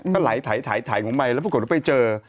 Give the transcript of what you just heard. ก็ไหลถ่ายลงไปแล้วปรากฏว่าไปเจอ